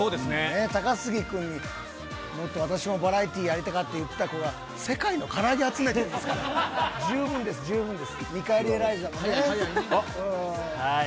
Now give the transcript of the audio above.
高杉君に、私もバラエティやりたいって言ってた子が、世界のから揚げ集めてるんですから、十分です、十分です。